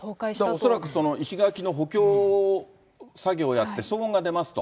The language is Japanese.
恐らく、その石垣の補強作業をやって、騒音が出ますと。